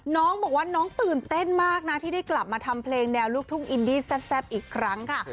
น้องบอกว่าน้องตื่นเต้นมากนะที่ได้กลับมาทำเพลงแนวลูกทุ่งอินดี้แซ่บอีกครั้งค่ะ